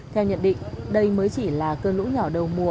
theo nhận định đây mới chỉ là cơn lũ nhỏ đầu mùa